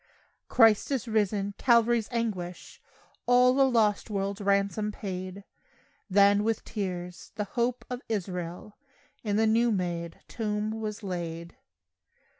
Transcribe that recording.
Christ is risen! Calvary's anguish All a lost world's ransom paid; Then, with tears, "the hope of Israel" In the new made tomb was laid.